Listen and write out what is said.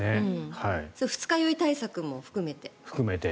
それは二日酔い対策も含めて。